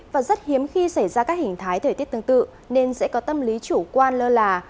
và rất hiếm khi xảy ra các hình thái thời tiết tương tự nên sẽ có tâm lý chủ quan lơ là